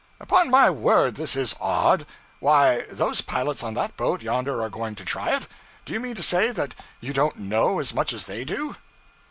'Upon my word this is odd! Why, those pilots on that boat yonder are going to try it. Do you mean to say that you don't know as much as they do?'